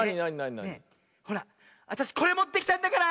あたしこれもってきたんだから！